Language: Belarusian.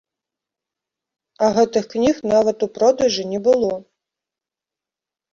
А гэтых кніг нават у продажы не было!